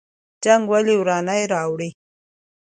جنګ ولې ورانی راوړي؟